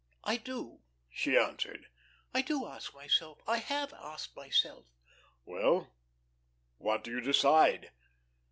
"I do," she answered. "I do ask myself. I have asked myself." "Well, what do you decide?"